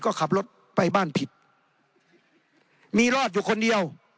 ก็ขับรถไปบ้านผิดมีรอดอยู่คนเดียว